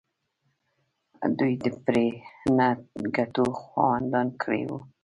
دوی د پرې نه ګټو خاوندان کړي وو.